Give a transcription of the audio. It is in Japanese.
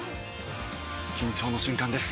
緊張の瞬間です。